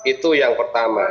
itu yang pertama